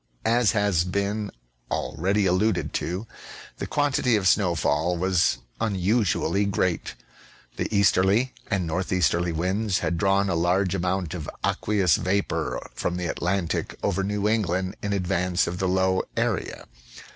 As has been already alluded to, the quantity of snowfall was unusually great. The easterly and northeasterly winds had drawn a large amount of aqueous vapor from the Atlantic over New England in advance of the low area.